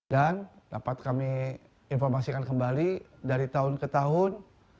dan dapat kami informasikan kembali dari tahun ke tahun